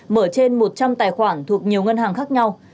mở trên một trăm linh tài khoản thuộc nhiều ngân hàng khác nhau